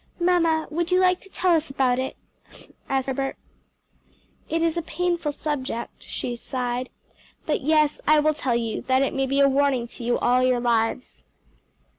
"Mamma, would you like to tell us about it?" asked Herbert. "It is a painful subject," she sighed, "but yes, I will tell you, that it may be a warning to you all your lives."